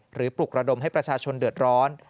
ปลุกระดมให้ประชาชนเดือดร้อน